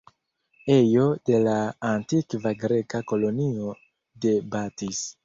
Ejo de la antikva Greka kolonio de Batis.